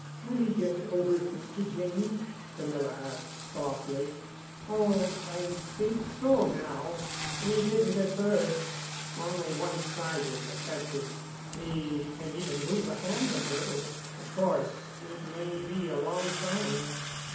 "Will he—get over it, Mr. Janney?" Camilla asked softly. "Oh, I think so now—we didn't at first. Only one side is affected. He can even move the hand a little. Of course, it may be a long time."